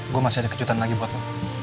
gue masih ada kejutan lagi buat lo